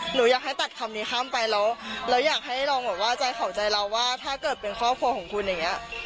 หนูอยากให้ตัดคำนี้ข้ามไปแล้วเราอยากให้ลองแบบว่าใจเขาใจเราว่าถ้าเกิดเป็นครอบครัวของคุณอย่างนี้